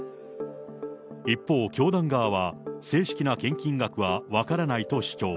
一方、教団側は正式な献金額は分からないと主張。